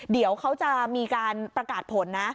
เดี๋ยวเขาจะมีการประกาศผลนะ